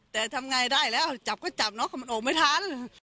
แต่ทำไงได้แล้วจับก็จับเนาะมันออกไม่ทัน